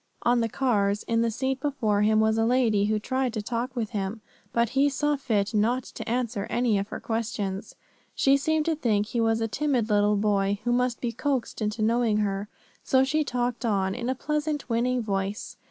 On the cars, in the seat before him, was a lady who tried to talk with him, but he saw fit not to answer any of her questions. She seemed to think he was a timid little boy, who must be coaxed into knowing her; so she talked on, in a pleasant winning voice.